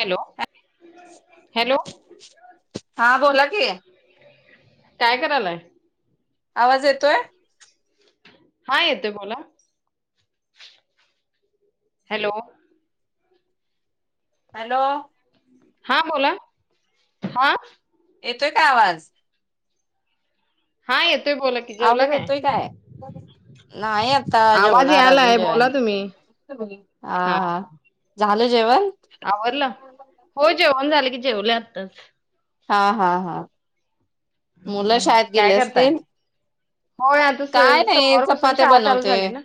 Hello hello हा बोला की काय करायलाय? आवाज येतोय? हाय येतोय बोला हॅलो हॅलो हा बोला हा येतो का आवाज? हा येतोय बोला की जेवला आवाज येतोय काय? नाही आता आवाज जेवणार अजून यालाय बोला जेवायचं तुम्ही हा हा झालं जेवण? आवरलं हो जेवण झालं की जेवल्या आताच. हा हा हा. मुलं शाळेत काय गेले करताय? असतील होय आता काय नाही सोमवारपसून चपात्या शाळा चालू बनवते झाली ना.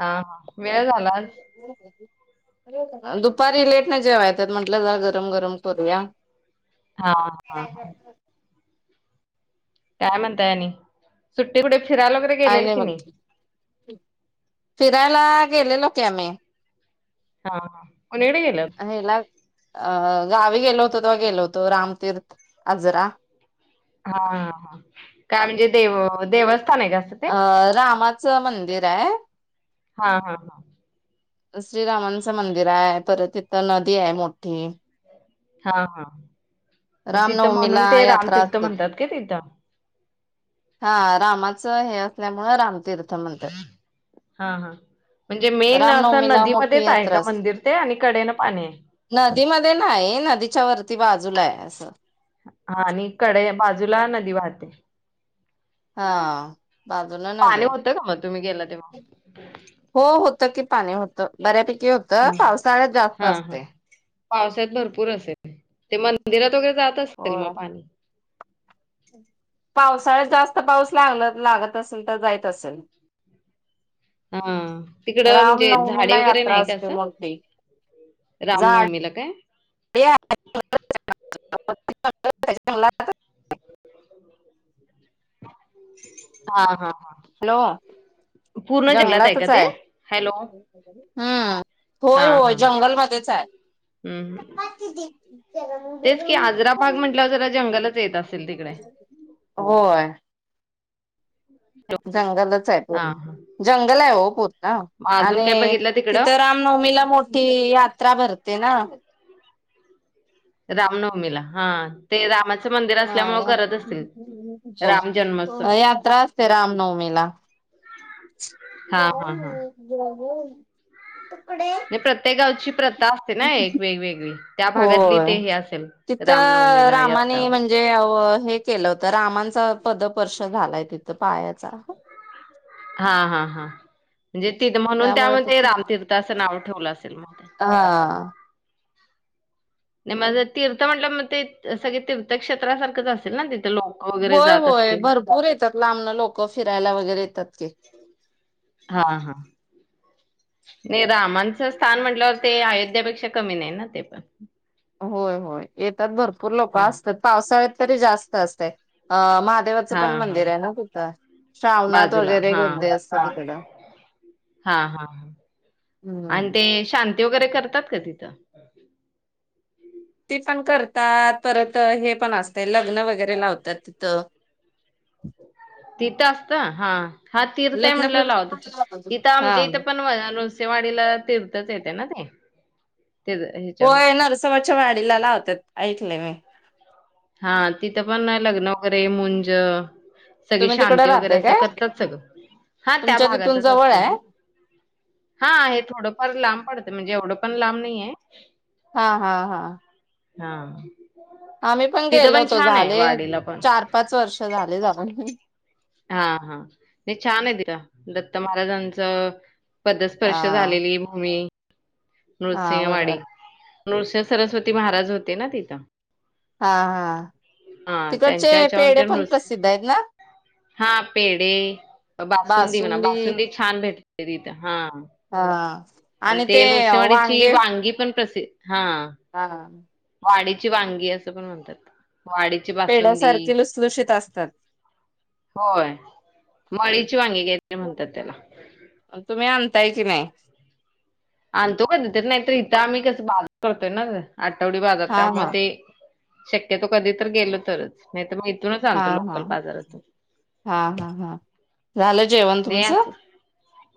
हा हा वेळ झाला. दुपारी लेट नाही जेवा येतत म्हंटलं जा गरम गरम करूया. हा हा हा.. काय म्हणताय आणि? सुट्टी कुठे [inaudible] का नाही म्हग फिरायला गेलेलो की आम्ही. हा हा कुणीकडे गेलता? हेला अ गावी गेलो होतो तेव्हा गेलो होतो रामतीर्थ आजरा. हा ह हा काय म्हणजे देव देवस्थान आहे काय? अ रामाचं मंदिर आहे. हा हा हा.. श्रीरामांचं मंदिर आहे परत इथं नदी आहे मोठी. हा हा तिथं म्हणून रामनवमीला ते यात्रा रामतीर्थ असते म्हणतात का तिथं. हा रामाचं हे असल्यामुळे रामतीर्थ. म्हणतात हा हा.. म्हणजे मेन असं रामनवमीला मोठी नदीमध्येच आहे यात्रा का असते मंदिर ते आणि कडेनं पाणी आहे. नदीमध्ये नाही नदीच्या वरती बाजूला आहे. हा आणि कडे बाजूला नदी वाहते. हा. बाजूला नदी पाणी आहे होतं का मग तुम्ही गेले तेव्हा? हो होत की पाणी होतं बऱ्यापैकी होतं पावसाळ्यात जास्त असते. पावसात भरपूर असेल ते मंदिरात वगैरे जात असेल मग हो पाणी. पावसाळ्यात जास्त पाऊस लाग लागत असेल तर जात असेल. हा तिकडं म्हणजे रामनवमीला झाडे वगैरे यात्रा नाही का असते असं. मोठी रामनवमीला काय. या. [inaudible] जंगलात हा हा हा. हॅलो का जंगलातच ते? आहे हॅलो. हम्म. होय होय जंगलमध्येच आहे. हम् ह तेच कि आजरा भाग म्हंटलंवर जरा जंगलच येत असेल तिकडे. होय. जंगलच आहे हा पूर्ण हा जंगल आहे हो पूर्ण मग अजून काय आणि बघितलं तिकडं तिथं राम. नवमीला मोठी यात्रा भरते ना. रामनवमीला हा. ते रामाचं मंदिर असल्यामुळं हा करत असेल राम जन्मोत्सव. जत्रा असते राम नवमी ला. हा हा हा म्हणजे हो तुकडे. प्रत्येक गावची प्रथा. ना एक वेगवेगळी त्या भागातली होय. ते हे असेल रामनवमीला यात्रा. जे हे केलं होत रामांचा पदपर्शद झालाय तिथं पायाचा. हा हा हा म्हणजे तथ म्हणून त्यामुळे त्यामध्ये तिथं रामतीर्थ असं नाव ठेवलं असेल म. हा. नाही म तीर्थ म्हटलं मग ते सग तीर्थक्षेत्रासारखंच असे ना तिथं लोक. वगैरे होय जात होय असतील भरपूर येतात लांबन लोक फिरायला वगैरे येतात की हा हा. नाही रामांचं स्थान म्हटल्यावर ते अयोध्यापेक्षा कमी नाही ना ते पण होय होय येतात भरपूर लोक हा असतात पावसाळ्यात तरी जास्त असत अ म देवाचं हा पण हा मंदिर आहे ना तिथं श्रावनाथ बाजूला वगैरे हा गर्दी असत तिकडं. हा हा आणि हम्म ते शांती वगैरे करतात का तिथं? ती पण करतात परत हे पण असतं लग्न वगैरे लावतात तिथं. तिथं असत हा. हा तीर्थय लग्न म्हटल्यवर पण लावतात इथं हा आमच्या इथं पण न नळसेवाडीला तीथच येते ना ते. ते [unintelligible] होय नरसोबाच्या वाडीला लावतात ऐकले मी. हा तिथं पण लग्न वगैरे मुंज. सगळी तुम्ही तिकडे शांती वगैरे राहताय असं काय करतात सगळं हा त्या तुमच्या तिथून भागातच जवळ असते. आहे हा आहे थोडंफार लांब पडतं म्हणजे एवढं पण लांब नाही आहे. हा हा हा हा आम्ही पण तिथं गेलो होतो छान आहे झाले वाडीला पण चार पाच वर्ष झाले जाऊन. हा हा नाही छान आहे तिथ दत्त महाराजांच. हा पदस्पर्श झालेली भूमी हा बरोबर नृसिंहवाडी. नर्सिंह सरस्वती महाराज होते ना तिथं. हा हा हा त्यांच्याच्या हुन ते नर्सिंह द ना [unintelligible] हा पेडे बासुंदी म्हणा बासुंदी छान भेटते तिथं हा. हा आणि ते नृसिंवाडीची वांगी पण प्रसिद्ध हा. हा हा वाडीची वांगी असं पण म्हणतात वाडी पेड्यासारखे लुसलुषित असतात. होय मळीची वांगी काहीतरी म्हणतात त्याला. तुम्ही आणताय की नाही? आणतो कधी तर नाहीतर इथं आम्ही कसं बाजार करतोय ना आठवडी बाजार हा त्यामुळे हा ते शक्यतो कधी तर गेलो तरच नाही तर मग इथूनच हा आणतो हा लोकल बाजारातून. हा हा हा झालं जेवण? नाही तुमचं अजून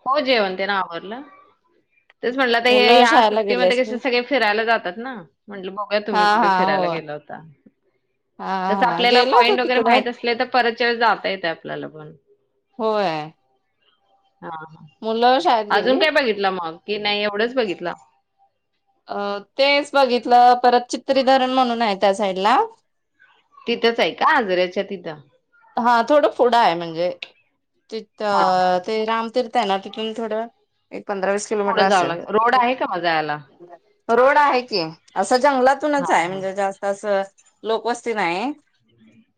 हो जेवण ते ना आवरल. तेच म्हटलंता हे मुलं ह्या शाळेला गेले सुट्टीमध्ये कसे असतील सगळे फिरायला जातात ना म्हटलं बघुया हा तुम्ही कुठे हा फिरायला हो गेला होता. ता [unintelligible] हा कसं हा आपल्याला गेल होत पॉईंट वगैरे तिकडं माहित असले तर परतच्या वेळेला जाता येते आपल्याला पण होय. हा ह मुलं शाळेत अजून गेली काय बघितलं मग कि नाही एवढंच बघितलं? अ तेच बघितलं परत चित्रीधरण म्हणून आहे त्या साईड ला. तिथंच आहे का आगऱ्याच्या तिथं? हा थोडं पुडं आहे म्हणजे हा हा तिथं. ते राम तीर्थ आहे ना तिथून थोडं एक, पंधरा, विस पुढ जावं लागल रोड आहे का म जायला? रोड आहे की असं जंगलातूनच हा आहे हा म्हणजे जास्त अस लोकवस्ती नाही.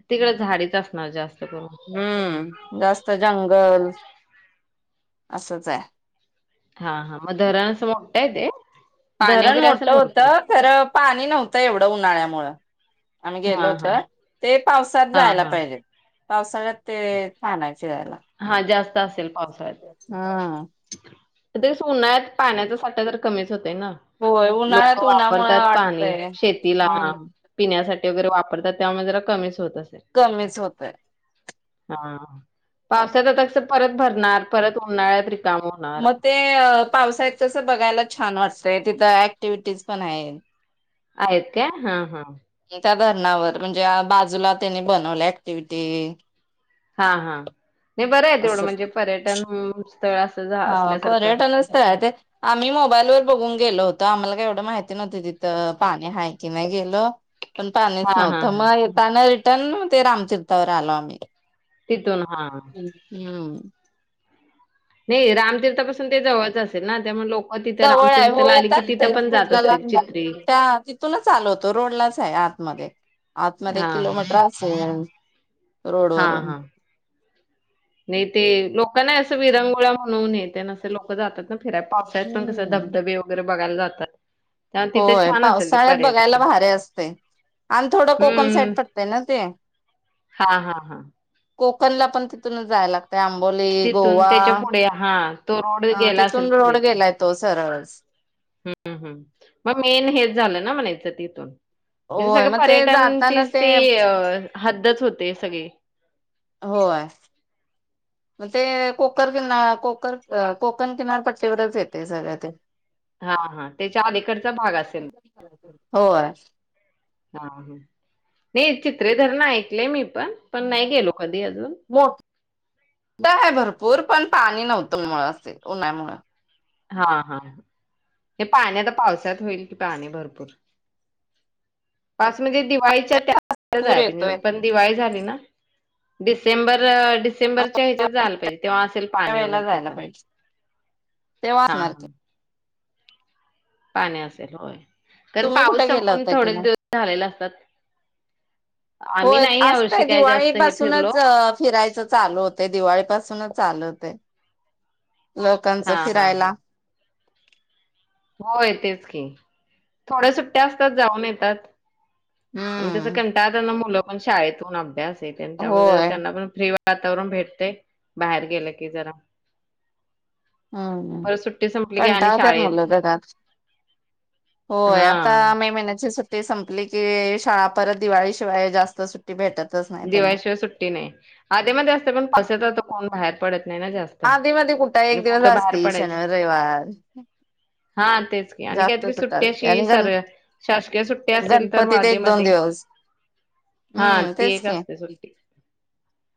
तिकडें झाडीच असणार जास्त करून. हम्म जास्त जंगल असच आहे. हा हा मग धरण आसं मोठय ते. पाणी धरण वगैरे असेल मोठं भरपूर होतं खर पाणी नव्हतं एवढं उन्हाळ्यामुळं आम्ही गेलो हां होत हां ते पावसात हां जायला हां पाहिजे. पावसाळ्यात ते छान आहे फिरायला हा जास्त असेल पावसाळ्या. हा.. ते उन्हाळ्यात पाण्याचा साठा तर कमीच होतेना. होय लोक उन्हाळ्यात उन्हामुळे वापरतात पाणी वाटतय शेतीला हम्म पिण्यासाठी वगैरे वापरतात त्यामुळे जरा कमीच होत असेल. कमीच होतय. हा... पावसात आता परत भरणार परत उन्हाळ्यात रिकाम होणार मग ते पावसाळत कसं बघायला छान वाटतंय तिथं ऍक्टिव्हटीज पण आहे. आहेत काय हा हा. त्या धरणावर म्हणजे बाजूला त्यांनी बनवले ऍक्टिव्हटी हा हा, नाही बरं आहे तेवढं असं म्हणजे पर्यटन स्थळ असं हा असल्यासारख. पर्यटन ते [unintelligible] आम्ही मोबाईलवर बघून गेलो होतो आम्हाला का एवढं माहिती नव्हती तिथं पाणी हाय की नाही गेलो. पण पाणीच हां नव्हत. हां हां मग येताना रिटर्न, ते रामतीर्थावर आलो आम्ही. तिथून हा.. हम्म.. हे रामतीर्थापासून ते जवळच असेलना त्यामुळे लोक तिथं जवळ आहे व रामतीर्थला आली की येतात तिथं तेच पण जात कुठला ला असतील चित्री त्या तुला चालोतो रोडलाच आहे आत मध्ये. आतमध्ये हा एक हा किलोमीटर असेल रोड हा वरून? हा नाही ते लोक नाही असं विरंगोळा म्हणवून येते ना लोक जातात ना फिरत पावसाळ्यात पण कस हम्म. धबधबे वगैरे बघायला जातात. त्यामुळे तिथे होय, छान असेल ते पावसाळ्यात पर्यटन बघायला भारी असते. आणि थोडं कोकण हम्म साईट पडतय ना ते हा हा हा.. कोकणला पण तिथून जाय लागत आंबोली, तिथून गोवा त्याच्या पुढे हा. तोड अ तिथून रोड गेलाय तो सरळ. हम्म, हम्म मग मेन हेच झालं ना म्हणायचं तिथून म्हणजे होय सगळे मग ते जाताना पर्यटनचीच ते अ हद्दच होते सगळे होय. [inaudible] मग कोकण किनारपट्टीवरच येते सगळ्या ते, हा हा त्याचा आली कडचा भाग असेल. होय.. हा ह नाही चित्रे धरण ऐकले, मी पण पण नाही गेलो. कधी अजून. मोठ आहे भरपूर पण पाणी नव्हतं. मु असे उन्हा्यामु हा. हा हे पाणी आता पावसात होईल. कि पाणी भरपूर. पा म्हणजे दिवाळीच्या पूर येतोय. पण दिवाळी झाली, ना डिसेंबर. डिसेंबर च्या चैत्रात त्या जायला पाहिजे तेव असेल पाणी वगरे तिथं ते. हां, वाचणार ते. हां. पाणी असेल होय. कारण तुम्ही पाऊस कुठे गेला संपून होता की नाही? थोडेच दिवस झालेले असतात. आम्ही होय नाही असतय यावर्षी काय दिवाळी जास्त हे पासूनच, फिरलो. फिरायचं. चालूत ते दिवाळी पासूनच आल होते लोकांच हां, हां, फिरायला. हो य तेच की थोड्या सुट्ट्या असतात. जाऊन येतात. आणि तस हम्म कंटाळतात ना शाळेतून मुलं ते म्हणजे होय त्यांना पण फ्री वाटतं. वातावरण भेटते. बाहेर गेलं की जरा परत सुट्टी संपली के आणि शाळेत. गदा.... होय हा आता मे महिन्याची सुट्टी संपली की शाळा परत दिवाळीशिवाय जास्त सुट्टी टी भेटतच न... दिवाळीशिवाय सुट्टी नाही. आधी मध्ये असते पण पावसचा कोण बाहेर पडत नाही ना जास्त. आधी आणि मध कुठे एक दिवस कुठं बाहेर असतील. पडायचं. शनिवार रविवार.. हा. तेच आणि जास्त काहीतरी कुठं सुट्टी असते अशी आणि गण सर शासकीय सुट्टी असेल. तर गणपतीत मधे एक म दोन दिवस हा ते. हम्म तेच तेवढच की असतं सुट्टी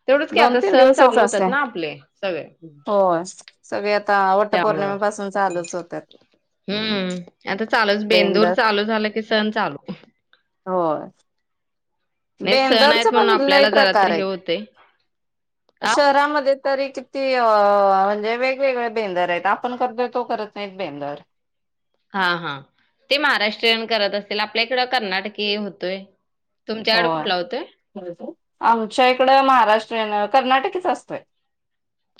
तेवढच की दोन आता सण चालू होतात ना आपले सगळे. हो सगळे आता वट त्यामुळं. पौर्णिमेपासून चालूच होतात. हम्म आता चालूच बेंदूर बेंदर चालू झालं की सण चालू. होय. नाही सण आहेत बेंदरच म्हणून पण लय आपल्याला प्रकार जरात्री हे आहेत होतय. शहरामध्ये तरी किती म्हणजे वेगवेगळे बेंदर आहेत आपण करतोय तो करत. नेत बेंदर. हा हा ते महाराष्ट्रीयन करत असेल आपल्या इकडं कर्नाटकी होतोय. तुमच्याकड कुठला होतोय. ब आमच्या इकडं महाराष्ट्रीयन कर्नाटकीच असतोय.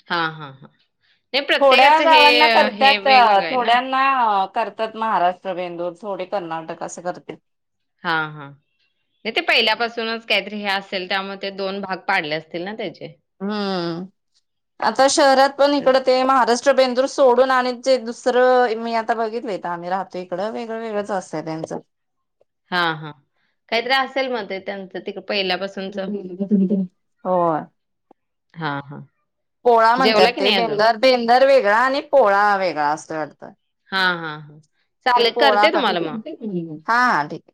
हा हा हां नाही थोड्या प्रत्येकाचं हे हे वेगवेगळं आहे ना. ना करतात महाराष्ट्र बेंदूर थोडे कर्नाटक असं करतेत. हा हा.. नाही ते पहिल्यापासूनच काहीतरी हे असेल त्यामुळे ते दोन भाग पाडले असतील ना त्याचे. हम्म. आता शहरात पण इकडं ते महाराष्ट्र बेंदूर सोडून आणि जे दुसरं मी आता बघितलय. आम्ही राहतोय इकडे वेगळ वेगळच असतं त्यांचं. हा हा काही तर असेल मग त्यांंत त पहिल्यापासून. हो. हां हां. पोळा जेवला म्हणतात की ते नाही अजून? बेंदर. बेंदर वेगळा आणि पोळा वेगळा असतोय वाटतं. हा हा हा चालेल करते तुम्हाला मग. हम् हा हा ठीक